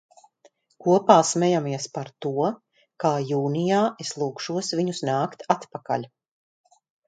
Kopā smejamies par to, kā jūnijā es lūgšos viņus nākt atpakaļ.